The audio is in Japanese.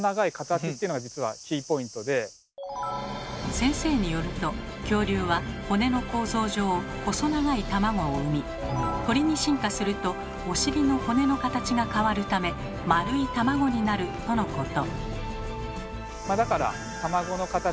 先生によると恐竜は骨の構造上細長い卵を産み鳥に進化するとお尻の骨の形が変わるため丸い卵になるとのこと。